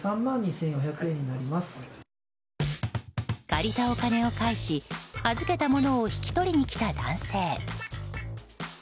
借りたお金を返し預けたものを引き取りに来た男性。